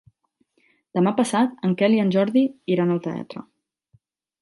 Demà passat en Quel i en Jordi iran al teatre.